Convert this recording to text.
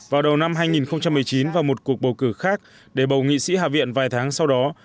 vào đầu năm hai nghìn một mươi chín và một cuộc bầu cử khác để bầu nghị sĩ hạ viện vài tháng sau đó